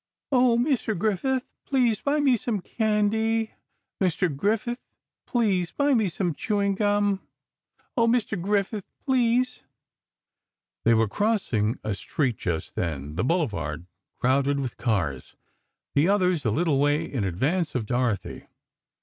"Oh, Mr. Griffith, please buy me some candy, Mr. Griffith. Please buy me some chewing gum. Oh, Mr. Griffith—please——" They were crossing a street just then, the Boulevard, crowded with cars—the others a little way in advance of Dorothy.